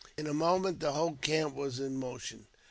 In a moment the whole camp was in motion.